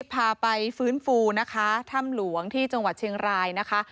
พาไปฟื้นฟูนะคะถ้ำหลวงที่จังหวัดเชียงรายนะคะ